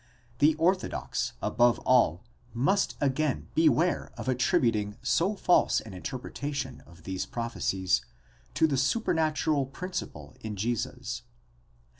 the orthodox, above all, must again beware of attributing so false an interpretation of these prophecies, to the supernatural principle in Jesus.